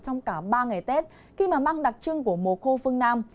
trong cả ba ngày tết khi mà mang đặc trưng của mùa khô phương nam